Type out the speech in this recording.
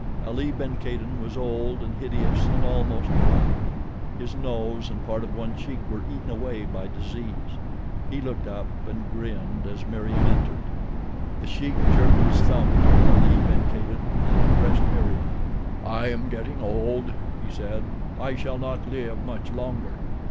Ali ben Kadin was old and hideous and almost black. His nose and part of one cheek were eaten away by disease. He looked up and grinned as Meriem entered. The Sheik jerked his thumb toward Ali ben Kadin and addressed Meriem. "I am getting old," he said, "I shall not live much longer.